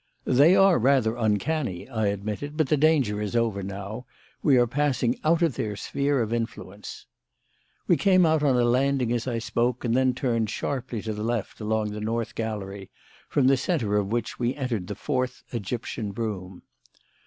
"They are rather uncanny," I admitted, "but the danger is over now. We are passing out of their sphere of influence." We came out on a landing as I spoke and then turned sharply to the left along the North Gallery, from the centre of which we entered the Fourth Egyptian Room.